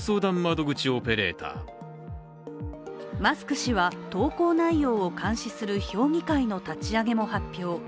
マスク氏は、投稿内容を監視する評議会の立ち上げも発表。